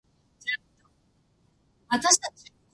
銀河英雄伝説